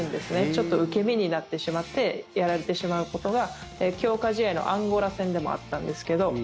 ちょっと受け身になってしまってやられてしまうことが強化試合のアンゴラ戦でもあったんですけど。